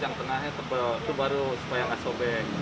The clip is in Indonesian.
yang tengahnya tebal itu baru supaya nggak sobek